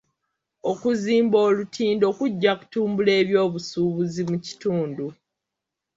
Okuzimba olutindo kujja kutumbula ebyobusuubuzi mu kitundu.